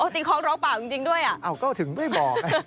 ตีค้องร้องป่าวจริงด้วยอ่ะอ้าวก็ถึงไม่บอก